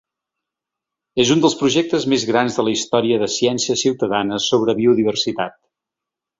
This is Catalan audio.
És un dels projectes més grans de la història de ciència ciutadana sobre biodiversitat.